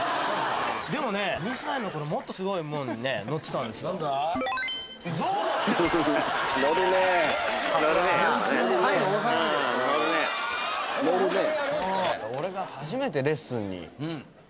「でもね２歳のころもっとすごいもんにね乗ってたんです」「象乗ってる！」